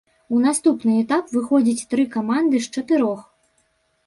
У наступны этап выходзіць тры каманды з чатырох.